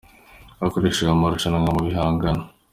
Hashojwe amarushanwa mu bihangano